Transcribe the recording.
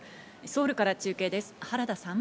ソウルから中継です、原田さん。